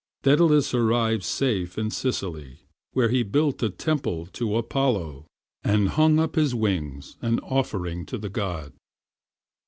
Daedalus arrived safe in Sicily, where he built a temple to Apollo, and hung up his wings, an offering to the god.